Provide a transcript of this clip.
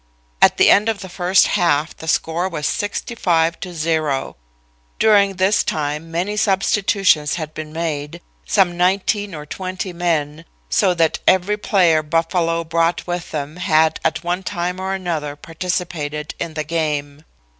At the end of the first half the score was 65 to 0. During this time many substitutions had been made, some nineteen or twenty men, so that every player Buffalo brought with them had at one time or another participated in the game.